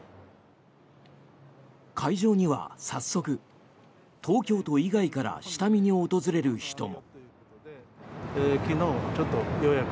会場には早速、東京都以外から下見に訪れる人も。